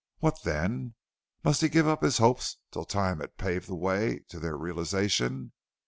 What then? Must he give up his hopes till time had paved the way to their realization?